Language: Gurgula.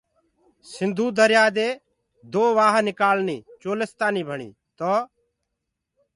سنڌو دريآ دي دو وآه نڪآݪنيٚ چولستآنيٚ ڀڻيٚ تو